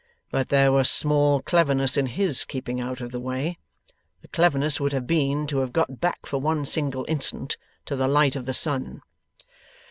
But there was small cleverness in HIS keeping out of the way. The cleverness would have been, to have got back for one single instant to the light of the sun.